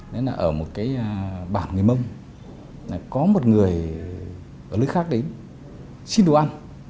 nên là ở một cái bảng người mông có một người ở nơi khác đến xin đồ ăn